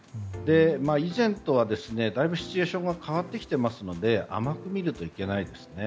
以前とはだいぶシチュエーションが変わってきていますので甘く見るといけないですね。